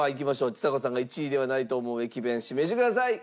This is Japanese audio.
ちさ子さんが１位ではないと思う駅弁指名してください！